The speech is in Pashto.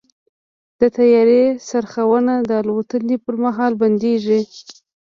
د طیارې څرخونه د الوتنې پر مهال بندېږي.